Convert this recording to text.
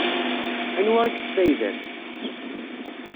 Anwa i yesfayden?